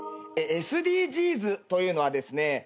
ＳＤＧｓというのはですね